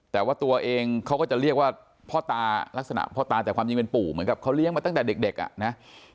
แต่ว่าตัวเองเขาก็จะเรียกว่าพ่อตาลักษณะพ่อตาแต่ความจริงเป็นปู่เหมือนกับเขาเลี้ยงมาตั้งแต่เด็กอ่ะนะ